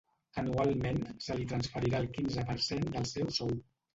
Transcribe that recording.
Anualment se li transferirà el quinze per cent del seu sou.